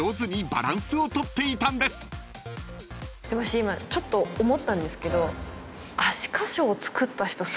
私今ちょっと思ったんですけど。